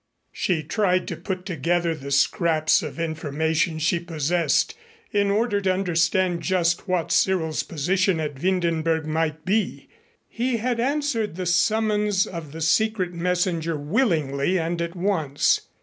She tried to put together the scraps of information she possessed in order to understand just what Cyril's position at Windenberg might be. He had answered the summons of the secret messenger willingly and at once.